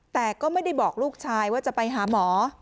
แต่ก็ไม่ได้บอกลูกชายว่าจะไปหาหมอ